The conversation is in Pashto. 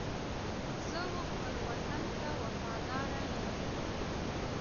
زه و خپل وطن ته وفاداره یم.